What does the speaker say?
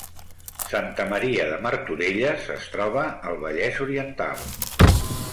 Santa Maria de Martorelles es troba al Vallès Oriental